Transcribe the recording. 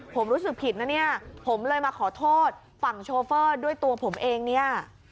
ผมรู้สึกผิดนะเนี่ยผมเลยมาขอโทษฝั่งโชเฟอร์ด้วยตัวผมเองเนี่ย